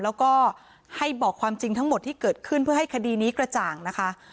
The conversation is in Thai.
แล้วก็ให้บอกความจริงทั้งหมดที่เกิดขึ้นเพื่อให้คดีนี้กระจ่างนะคะ